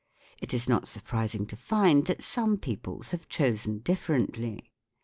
It is not surprising to find that some peoples have chosen differently.